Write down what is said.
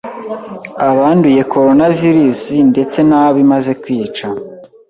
abanduye coronavirus ndetse n'abo imaze kwica.